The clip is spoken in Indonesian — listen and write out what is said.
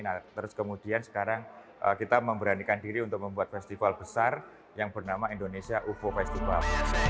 nah terus kemudian sekarang kita memberanikan diri untuk membuat festival besar yang bernama indonesia ufo festival